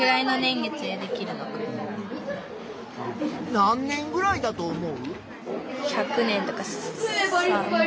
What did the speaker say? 何年ぐらいだと思う？